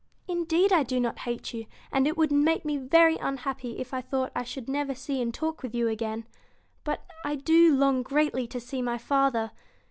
' Indeed I do not hate you, and it would make me very unhappy if I thought I should never see and talk with you again. But I do long greatly to see my father.